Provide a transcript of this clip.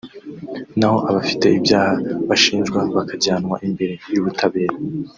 naho abafite ibyaha bashinjwa bakajyanwa imbere y’ubutabera